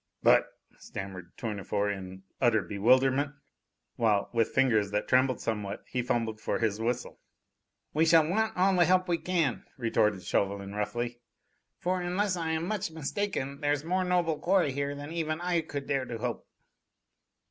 "But " stammered Tournefort in utter bewilderment, while, with fingers that trembled somewhat, he fumbled for his whistle. "We shall want all the help we can," retorted Chauvelin roughly. "For, unless I am much mistaken, there's more noble quarry here than even I could dare to hope!"